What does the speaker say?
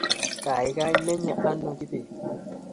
Gaigai, menye ano kibet?